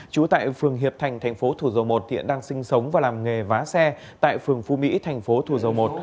trú tại phường hiệp thành thành phố thủ dầu một hiện đang sinh sống và làm nghề vá xe tại phường phú mỹ thành phố thủ dầu một